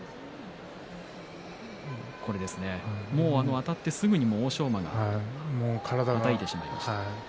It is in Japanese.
あたってすぐに欧勝馬がはたいてしまいました。